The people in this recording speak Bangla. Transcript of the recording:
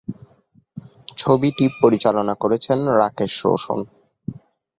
ছবিটি পরিচালনা করেছেন রাকেশ রোশন।